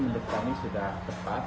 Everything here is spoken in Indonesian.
menurut kami sudah tepat